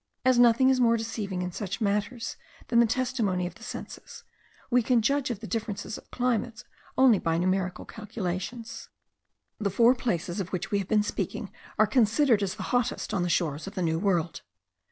As nothing is more deceiving in such matters than the testimony of the senses, we can judge of the difference of climates only by numerical calculations. The four places of which we have been speaking are considered as the hottest on the shores of the New World.